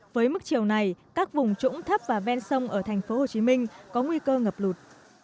với mức chiều này các vùng trũng thấp và ven sông ở tp hcm có nguy cơ ngập lụt